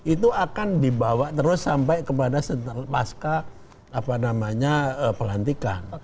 itu akan dibawa terus sampai ke setelah pasca pelantikan